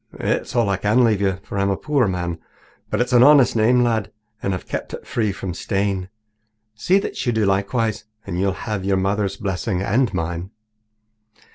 It's all I can leave you, for I'm a poor man, but it's an honest name, lad, and I've kept it free from stain. See that you do likewise, and you'll have your mother's blessing and mine."